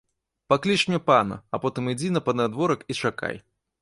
Пакліч мне пана, а потым ідзі на панадворак і чакай.